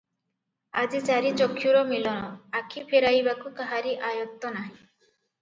ଆଜି ଚାରି ଚକ୍ଷୁର ମିଳନ, ଆଖି ଫେରାଇବାକୁ କାହାରି ଆୟତ୍ତ ନାହିଁ।